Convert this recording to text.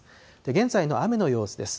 現在の雨の様子です。